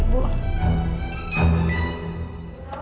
kalau kamu menggunakan komputer